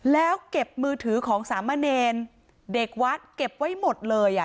แล้วเก็บมือถือของสามเณรเด็กวัดเก็บไว้หมดเลยอ่ะ